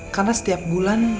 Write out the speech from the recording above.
karena setiap bulan